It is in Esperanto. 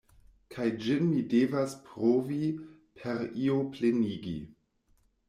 Kaj ĝin mi devas provi per io plenigi.